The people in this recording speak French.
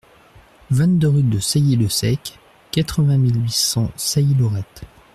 vingt-deux rue de Sailly le Sec, quatre-vingt mille huit cents Sailly-Laurette